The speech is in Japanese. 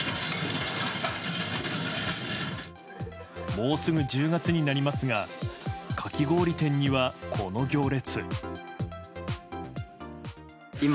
もうすぐ１０月になりますがかき氷店には、この行列。